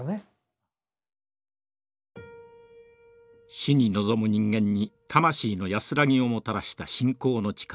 死に臨む人間に魂の安らぎをもたらした信仰の力。